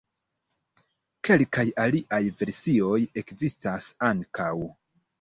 Kelkaj aliaj versioj ekzistas ankaŭ.